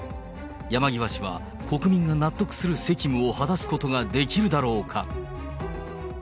山際氏は、国民が納得する責務を果たすことができるだろうか。